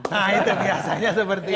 nah itu biasanya seperti itu